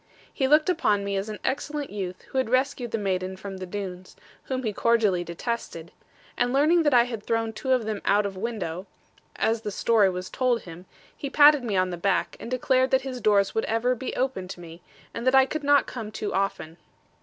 He looked upon me as an excellent youth, who had rescued the maiden from the Doones, whom he cordially detested; and learning that I had thrown two of them out of window (as the story was told him), he patted me on the back, and declared that his doors would ever be open to me, and that I could not come too often.